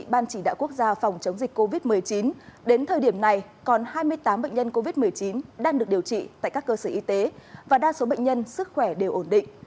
ban chỉ đạo quốc gia phòng chống dịch covid một mươi chín đến thời điểm này còn hai mươi tám bệnh nhân covid một mươi chín đang được điều trị tại các cơ sở y tế và đa số bệnh nhân sức khỏe đều ổn định